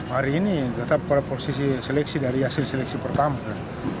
hari ini tetap pada posisi seleksi dari hasil seleksi pertama